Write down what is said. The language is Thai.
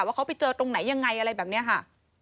ว่าเขาไปเจอตรงไหนยังไงอะไรแบบนี้ค่ะ